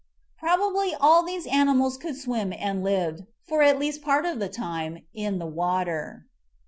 Probably all of these animals could swim and lived, for at least part of the time, in the water.